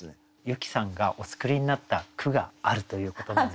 由紀さんがお作りになった句があるということなんですけども。